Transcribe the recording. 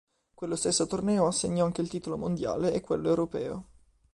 Quello stesso torneo assegnò anche il titolo mondiale e quello europeo.